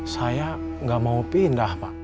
saya nggak mau pindah pak